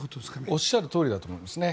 おっしゃるとおりだと思いますね。